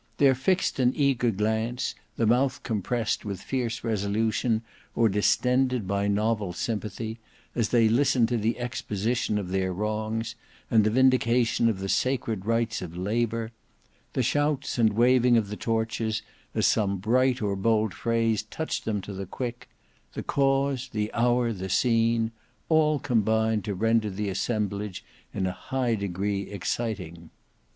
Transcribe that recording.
Their fixed and eager glance, the mouth compressed with fierce resolution or distended by novel sympathy, as they listened to the exposition of their wrongs, and the vindication of the sacred rights of labour—the shouts and waving of the torches as some bright or bold phrase touched them to the quick—the cause, the hour, the scene—all combined to render the assemblage in a high degree exciting.